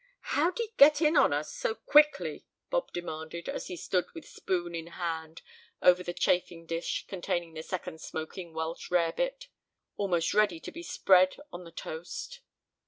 "How'd he get in on us so quickly?" Bob demanded, as he stood with spoon in hand over the chafing dish containing the second smoking Welsh rarebit, almost ready to be spread on the toast.